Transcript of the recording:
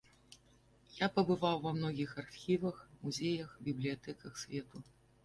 Я пабываў ва многіх архівах, музеях, бібліятэках свету.